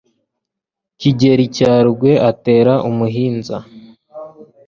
Kigeli cya Rugwe atera umuhinza